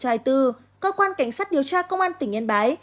cơ quan cảnh sát điều tra công an tỉnh yên bái